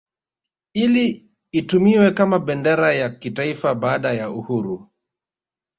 Ili itumiwe kama bendera ya kitaifa baada ya uhuru